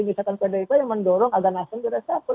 misalkan pdp yang mendorong agar nasibnya resapel